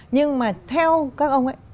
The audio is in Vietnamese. nhưng mà theo các ông ấy